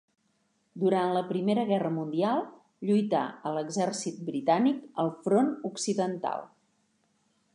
Durant la Primera Guerra Mundial lluità a l'Exèrcit britànic al front occidental.